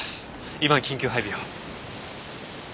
今緊急配備を。